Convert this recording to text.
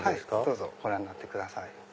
どうぞご覧になってください。